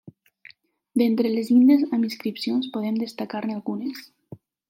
D’entre les llindes amb inscripcions, podem destacar-ne algunes.